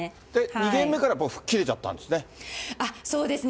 ２ゲーム目から吹っ切れちゃったんですね。